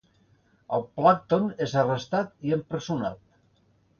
El plàncton és arrestat i empresonat.